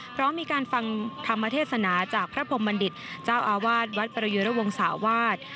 พร้อมมีการฟังธรรมเทศนาจากพระพรมบัณฑิตเจ้าอาวาสวัดประยุระวงศาวาส